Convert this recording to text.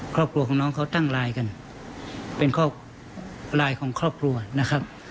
ครอบครัวของน้องเขาตั้งลายกันเป็นลายของครอบครัวนะครับ